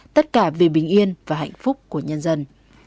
tất cả vì bình yên và hạnh phúc của nhân dân